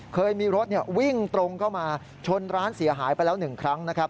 เคยมีรถวิ่งตรงเข้ามาชนร้านเสียหายไปแล้ว๑ครั้งนะครับ